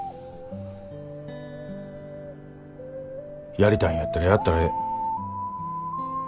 やりたいんやったらやったらええ。